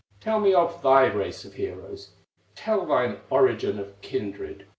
Tell me of thy race of heroes, Tell thine origin and kindred."